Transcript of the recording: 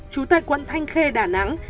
chủ tịch quận thanh khê đà nẵng